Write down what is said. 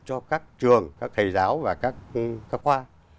cho các trường các thầy giáo và các khoa